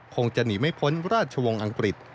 คงจะหนีไม่พ้นราชวงศ์อังกฤษ